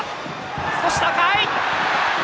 少し高い。